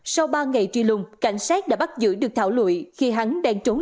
sau ba ngày truy lùng cảnh sát đã bắt giữ được thảo lụi khi hắn đang trốn